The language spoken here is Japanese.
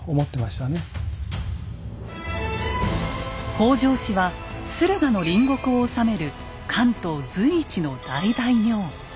北条氏は駿河の隣国を治める関東随一の大大名。